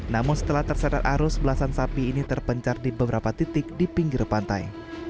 namun setelah terseret arus belasan sapi ini terpencar di beberapa titik di pinggir pantai